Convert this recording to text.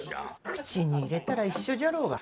口に入れたら一緒じゃろうが。